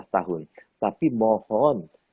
lima belas tahun tapi mohon